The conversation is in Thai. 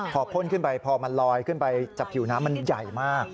พอพ่นขึ้นไปพอมันลอยขึ้นไปจับผิวน้ำมันใหญ่มาก